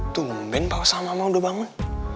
tungguin apa sama mama udah bangun